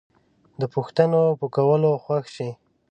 د پوښتنو په کولو خوښ شئ